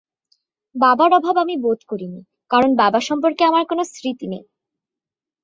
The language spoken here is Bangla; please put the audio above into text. বাবার অভাব আমি বোধ করিনি, কারণ বাবা সম্পর্কে আমার কোনো স্মৃতি নেই।